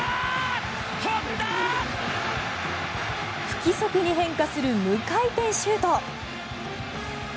不規則に変化する無回転シュート。